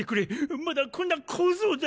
まだこんな小僧だ！